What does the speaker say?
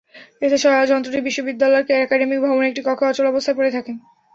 এতে যন্ত্রটি বিশ্ববিদ্যালয়ের একাডেমিক ভবনের একটি কক্ষে অচল অবস্থায় পড়ে থাকে।